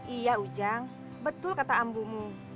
iya ujang betul kata ambumu